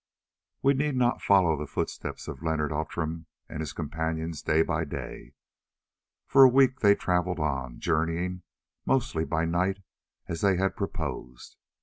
We shall not need to follow the footsteps of Leonard Outram and his companions day by day. For a week they travelled on, journeying mostly by night as they had proposed.